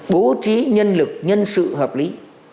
bố trí nhân lực nhân sự hợp lý